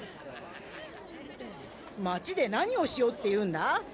町で何をしようっていうんだ？